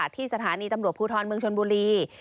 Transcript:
ที่สถานีตำรวจภูทรเมืองชนบุรี